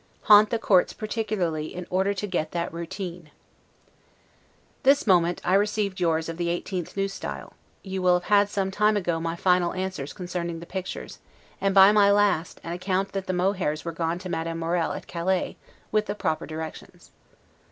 Haunt the courts particularly in order to get that ROUTINE. This moment I receive yours of the 18th N. S. You will have had some time ago my final answers concerning the pictures; and, by my last, an account that the mohairs were gone to Madame Morel, at Calais, with the proper directions.